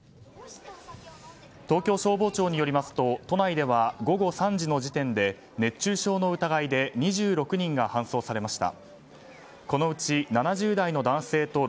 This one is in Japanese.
東京消防庁によりますと都内では午後３時の時点で熱中症の疑いで２６人が搬送されました。